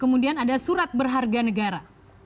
kemudian ada surat berharga negara